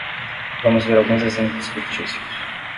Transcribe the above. Vamos ver alguns exemplos fictícios.